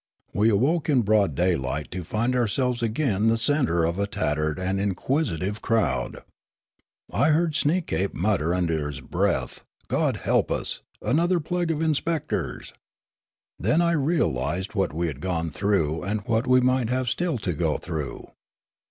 We awoke in broad daylight to find ourselves again the centre of a tattered and inquisitive Wotnekst 203 crowd. I heard Sneekape mutter under his breath :" God help us! another plague of inspectors! " Then I realised what we had gone through and what w^e might have still to go through.